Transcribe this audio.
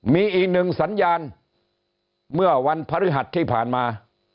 มีอีกหนึ่งสัญญาณเมื่อวันพฤหัสที่ผ่านมา